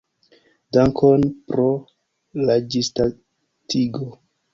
Dankon pro la ĝisdatigo.